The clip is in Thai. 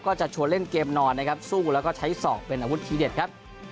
ก็จะชวนเล่นเกมนอนนะครับสู้แล้วก็ใช้ศอกเป็นอาวุธทีเด็ดครับ